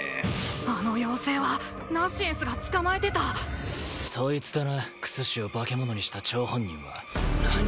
あの妖精はナシエンスが捕まえてたそいつだな薬師を化け物にした張本人は何！？